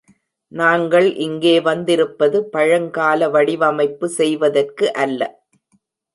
நாங்கள் இங்கே வந்திருப்பது, பழங்கால வடிவமைப்பு செய்வதற்கு அல்ல.